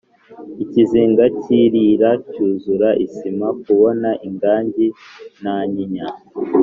ikizinga cy’irira cyuzura isama kubona ingajyi ntanyinya